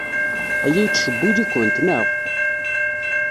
Aya yettcewwil-ikent, naɣ?